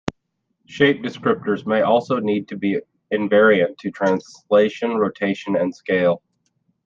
Shape descriptors may also need to be invariant to translation, rotation, and scale.